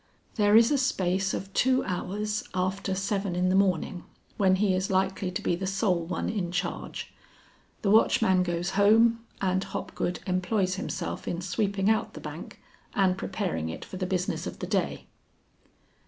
"There is a space of two hours after seven in the morning, when he is likely to be the sole one in charge. The watchman goes home, and Hopgood employs himself in sweeping out the bank and preparing it for the business of the day."